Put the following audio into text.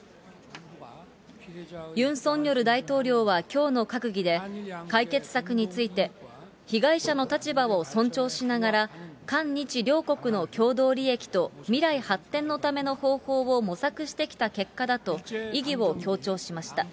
ユン・ソンニョル大統領はきょうの閣議で、解決策について、被害者の立場を尊重しながら、韓日両国の共同利益と未来発展のための方法を模索してきた結果だと、意義を強調しました。